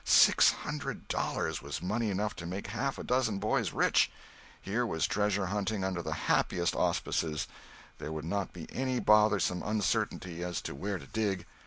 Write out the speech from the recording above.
Six hundred dollars was money enough to make half a dozen boys rich! Here was treasure hunting under the happiest auspices—there would not be any bothersome uncertainty as to where to dig.